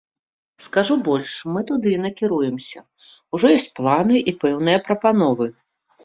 Скажу больш, мы туды і накіруемся, ужо ёсць планы і пэўныя прапановы.